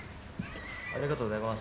ありがとうございます。